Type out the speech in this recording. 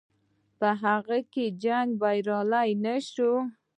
په هغه جنګ کې بریالی نه شو.